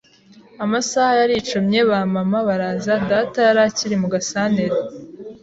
Amasaha yaricumye ba mama baraza data yarakiri mugasantere